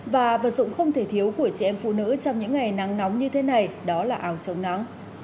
và vật dụng không thể thiếu của chị em phụ nữ trong những ngày nắng nóng như thế này đó là áo chống nắng